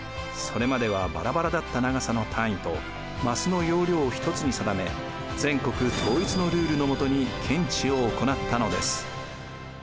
それまではバラバラだった長さの単位と枡の容量を一つに定め全国統一のルールのもとに検地を行ったのです。